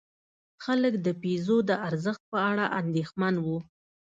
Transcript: خلک د پیزو د ارزښت په اړه اندېښمن وو.